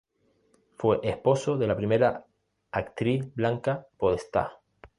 Fue esposo de la primera actriz Blanca Podestá.